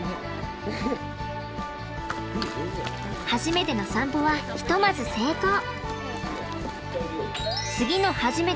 初めての散歩はひとまず成功。